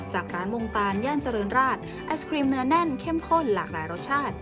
ชิมเนื้อแน่นเข้มข้นหลากหลายรสชาติ